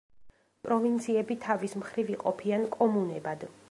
პროვინციები თავის მხრივ იყოფიან კომუნებად.